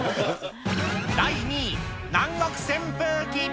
第２位、南国扇風機。